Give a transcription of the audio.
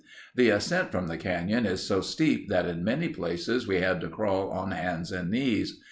The ascent from the canyon is so steep that in many places we had to crawl on hands and knees.